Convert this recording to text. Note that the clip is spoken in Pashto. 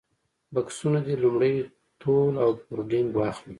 بکسونه دې لومړی تول او بورډنګ واخلي.